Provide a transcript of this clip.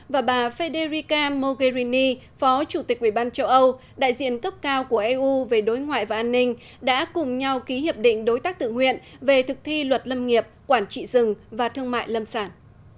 và bà federica mogherini phó chủ tịch ủy ban châu âu đại diện cấp cao của eu về đối ngoại và an ninh đã cùng nhau ký hiệp định đối tác tự nguyện về thực thi luật lâm nghiệp quản trị rừng và thương mại lâm sản